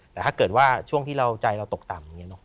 แต่ถ้าเกิดว่าช่วงที่ใจเราตกต่ำ